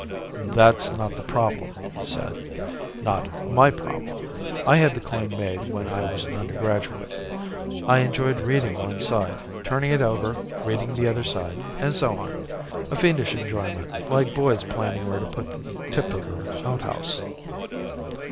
"That's not the problem," he said, "not my problem. I had the coin made when I was an undergraduate. I enjoyed reading one side, turning it over, reading the other side, and so on. A fiendish enjoyment like boys planning where to put the tipped over outhouse."